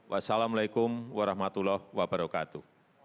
wassalamu'alaikum warahmatullahi wabarakatuh